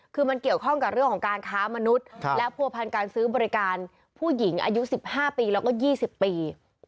คือมันเกี่ยวข้องกับเรื่องของการค้ามนุษย์และผัวพันการซื้อบริการผู้หญิงอายุ๑๕ปีแล้วก็๒๐ปี